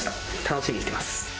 楽しみにしてます。